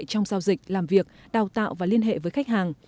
trong giao dịch làm việc đào tạo và liên hệ với khách hàng